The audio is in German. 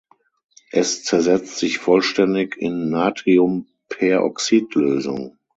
Es zersetzt sich vollständig in Natriumperoxidlösung.